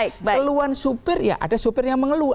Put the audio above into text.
keluan supir ya ada supir yang mengeluh